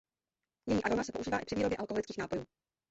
Její aroma se používá i při výrobě alkoholických nápojů.